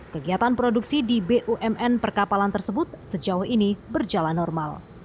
kegiatan produksi di bumn perkapalan tersebut sejauh ini berjalan normal